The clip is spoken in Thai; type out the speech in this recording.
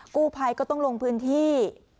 กู้ภัยก็ต้องลงพื้นที่